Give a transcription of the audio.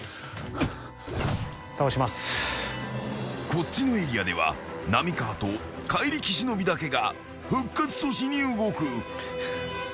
［こっちのエリアでは浪川と怪力忍だけが復活阻止に動く］